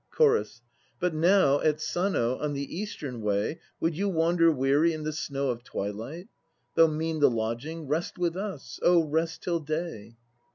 CHORUS. But now at Sano on the Eastern Way Would you wander weary in the snow of twilight? Though mean the lodging, Rest with us, oh rest till day!